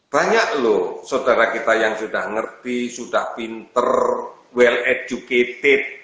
banyak loh saudara kita yang sudah ngerti sudah pinter well educated